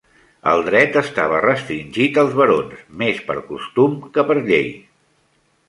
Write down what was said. El dret estava restringit als barons més per costum que per llei.